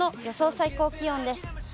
最高気温です。